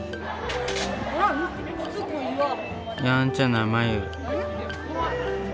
やんちゃなまゆ。